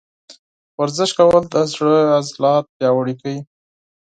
ورزش کول د زړه عضلات پیاوړي کوي.